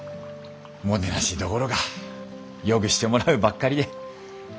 もてなしどころかよぐしてもらうばっかりで。